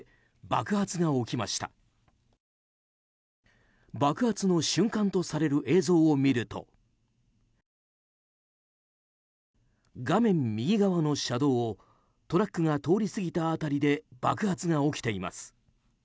爆発の瞬間とされる映像を見ると画面右側の車道をトラックが通り過ぎた辺りで爆発が起きています。